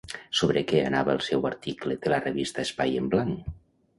Sobre què anava el seu article de la revista Espai en Blanc?